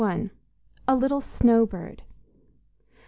I. A LITTLE SNOW BIRD.